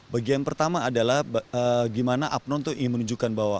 bagian pertama adalah gimana apnon itu ingin menunjukkan bahwa